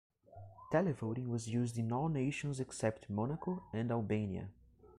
Televoting was used in all nations except Monaco and Albania.